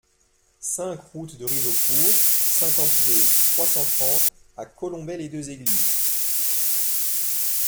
cinq route de Rizaucourt, cinquante-deux, trois cent trente à Colombey-les-Deux-Églises